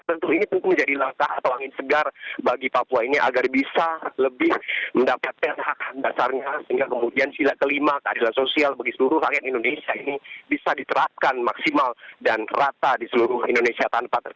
tentu ini tentu menjadi langkah atau angin segar bagi papua ini agar bisa lebih mendapatkan hak dasarnya sehingga kemudian sila kelima keadilan sosial bagi seluruh rakyat indonesia ini bisa diterapkan maksimal dan rata di seluruh indonesia